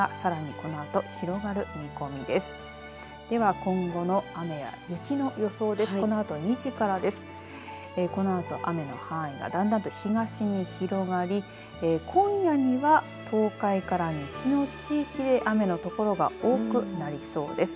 このあと雨の範囲がだんだんと東に広がり今夜には東海から西の地域で雨の所が多くなりそうです。